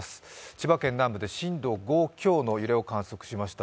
千葉県南部で震度５強の揺れを観測しました。